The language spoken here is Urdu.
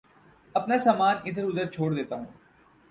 اپنا سامان ادھر ادھر چھوڑ دیتا ہوں